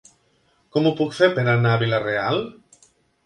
Com ho puc fer per anar a Vila-real?